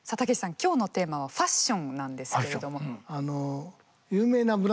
今日のテーマはファッションなんですけれども。